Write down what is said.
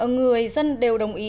người dân đều đồng ý